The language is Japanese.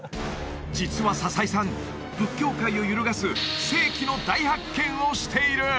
実は佐々井さん仏教界を揺るがす世紀の大発見をしている！